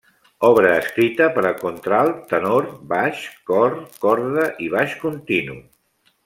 Obra escrita per a contralt, tenor, baix, cor, corda i baix continu.